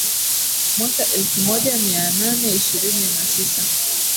Mwaka elfu moja mia nane ishirini na tisa